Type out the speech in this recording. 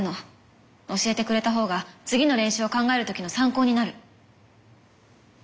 教えてくれたほうが次の練習を考える時の参考になる。